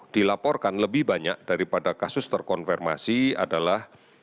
dilaporkan lebih banyak daripada kasus terkonfirmasi adalah